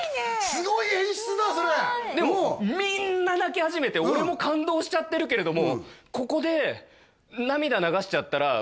すごい演出だそれでもみんな泣き始めて俺も感動しちゃってるけれどもそうだよね